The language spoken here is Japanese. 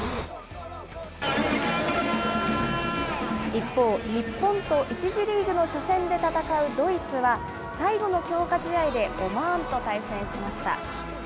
一方、日本と１次リーグの初戦で戦うドイツは、最後の強化試合で、オマーンと対戦しました。